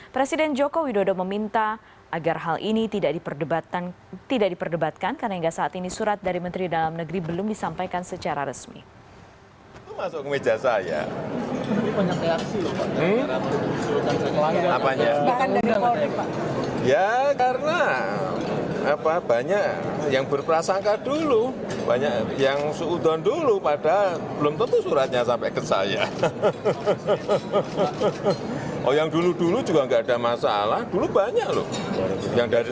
presiden joko widodo meminta agar hal ini tidak diperdebatkan karena enggak saat ini surat dari menteri dalam negeri belum disampaikan secara resmi